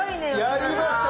やりました。